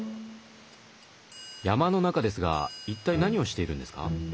山の中ですが一体何をしているんですか？